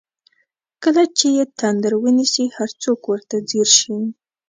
کله چې یې تندر ونیسي هر څوک ورته ځیر شي.